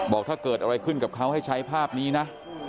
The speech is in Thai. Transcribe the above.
บอกถ้าเกิดอะไรขึ้นกับเขาให้ใช้ภาพนี้นะ